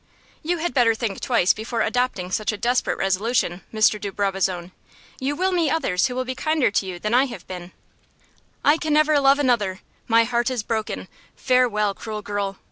"You had better think twice before adopting such a desperate resolution, Mr. de Brabazon. You will meet others who will be kinder to you than I have been " "I can never love another. My heart is broken. Farewell, cruel girl.